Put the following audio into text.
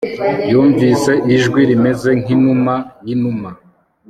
Yumvise ijwi rimeze nkinuma yinuma